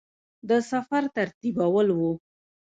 د سفر ترتیبول وه.